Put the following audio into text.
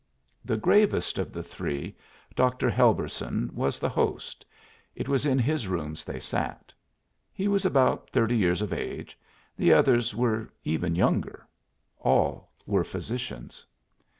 The gravest of the three, Dr. Helberson, was the host it was in his rooms they sat. He was about thirty years of age; the others were even younger; all were physicians.